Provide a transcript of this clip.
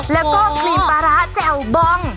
แล้วก็ครีมปลาร้าแจ่วบอง